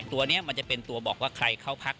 ตัวนี้มันจะเป็นตัวบอกว่าใครเข้าพัก